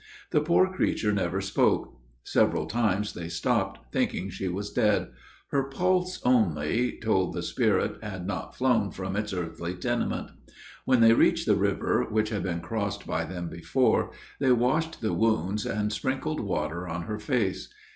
The poor creature never spoke. Several times they stopped, thinking she was dead: her pulse only told the spirit had not flown from its earthly tenement. When they reached the river which had been crossed by them before, they washed the wounds, and sprinkled water on her face.